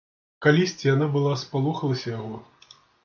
Калісьці яна была спалохалася яго.